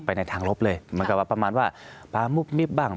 ไปในทางรบเลยมันกลับประมาณว่าป๊ามุบมิบบ้าง